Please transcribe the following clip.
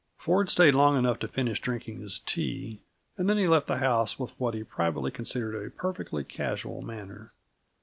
Ford stayed long enough to finish drinking his tea, and then he left the house with what he privately considered a perfectly casual manner.